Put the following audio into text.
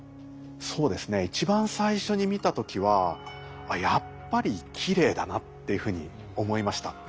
そうですね一番最初に見た時はやっぱりきれいだなっていうふうに思いました。